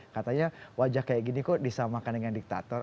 katanya wajah kayak gini kok disamakan dengan diktator